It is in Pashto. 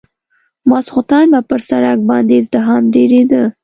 ماخستن به پر سړک باندې ازدحام ډېرېده.